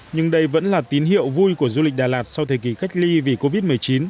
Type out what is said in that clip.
nhưng đây vẫn là tín hiệu vui của du lịch đà lạt sau thời kỳ cách ly vì covid một mươi chín